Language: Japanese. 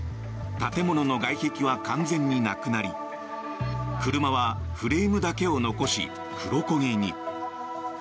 建物の外壁は完全になくなり車はフレームだけを残し黒焦げに。